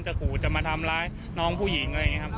ขู่จะมาทำร้ายน้องผู้หญิงอะไรอย่างนี้ครับ